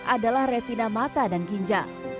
adalah retina mata dan ginjal